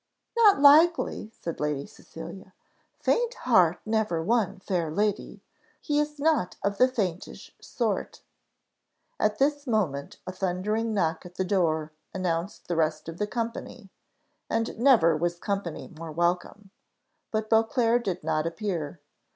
"Not likely," said Lady Cecilia; "faint heart never won fair lady. He is not of the faintish sort." At this moment a thundering knock at the door announced the rest of the company, and never was company more welcome. But Beauclerc did not appear.